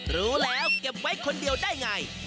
รู้แล้วเก็บไว้คนเดียวได้ไง